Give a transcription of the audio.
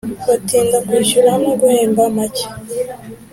batinda kwishyura no guhemba make